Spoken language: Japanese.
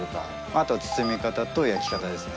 あと包み方と焼き方ですね。